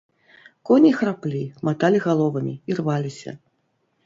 Коні храплі, маталі галовамі, ірваліся.